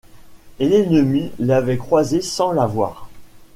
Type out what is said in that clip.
Et l'ennemi l'avait croisée sans la voir.